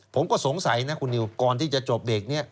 ผมก็สงสัยนะคุณนิวก่อนที่จะจบเด็กนี้